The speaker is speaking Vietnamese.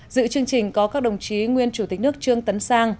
dự chương trình có các đồng chí nguyên chủ tịch nước trương tấn sang